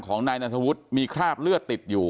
นายนัทธวุฒิมีคราบเลือดติดอยู่